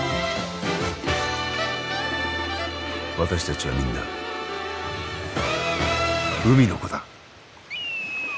私たちはみんな海の子だ。